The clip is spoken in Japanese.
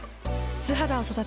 素肌を育てる。